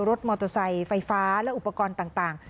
รถมอเตอร์ไซค์ไฟฟ้าและอุปกรณ์ต่าง